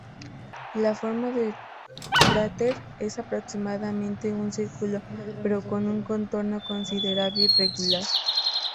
La forma del cráter es aproximadamente un círculo, pero con un contorno considerablemente irregular.